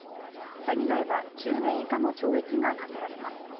詐欺罪は１０年以下の懲役が科せられます。